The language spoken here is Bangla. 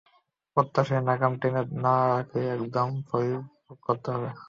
প্রত্যাশার লাগাম টেনে ধরে না রাখলে, এরকম ফলই ভোগ করতে হবে।